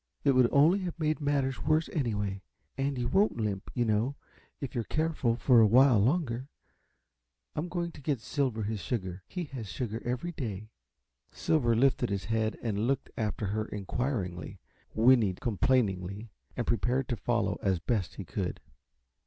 It would only have made matters worse, anyway. And you won't limp, you know, if you're careful for a while longer. I'm going to get Silver his sugar. He has sugar every day." Silver lifted his head and looked after her inquiringly, whinnied complainingly, and prepared to follow as best he could.